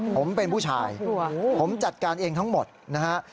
ผมเป็นผู้ชายผมจัดการเองทั้งหมดนะฮะ